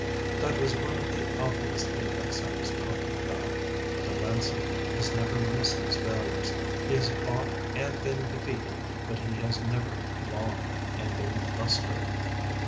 That was one of the obvious defects I was talking about. Delancey has missed his failures. He has fought and been defeated but he has never longed and been frustrated.